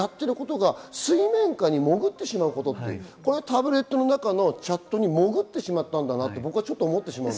やっていることが水面下に潜ってしまうことってタブレットの中のチャットに潜ってしまったんだなと思います。